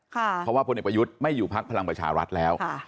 เพราะว่าพลเอกประยุทธ์ไม่อยู่พักพลังประชารัฐแล้ว